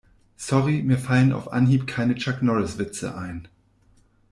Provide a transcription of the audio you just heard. Sorry, mir fallen auf Anhieb keine Chuck-Norris-Witze ein.